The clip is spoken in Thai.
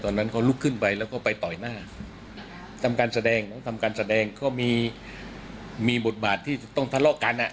ตอนนั้นเขาลุกขึ้นไปแล้วก็ไปต่อยหน้าทำการแสดงทำการแสดงก็มีมีบทบาทที่จะต้องทะเลาะกันอ่ะ